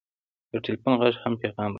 د ټېلفون غږ هم پیغام راوړي.